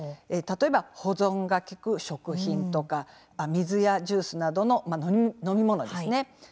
例えば、保存が利く食品とか水やジュースなどの飲み物ですね。